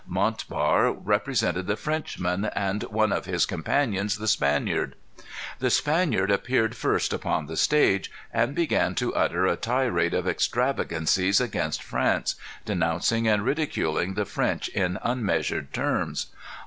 Montbar represented the Frenchman, and one of his companions the Spaniard. The Spaniard appeared first upon the stage, and began to utter a tirade of extravagancies against France, denouncing and ridiculing the French in unmeasured terms.